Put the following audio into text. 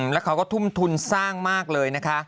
แล้วเขาก็ทุ่มทุนสร้างมากเลยนะคะ